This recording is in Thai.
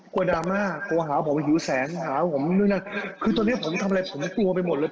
ดราม่ากลัวหาผมหิวแสงหาผมนู่นนั่นคือตอนนี้ผมทำอะไรผมกลัวไปหมดเลย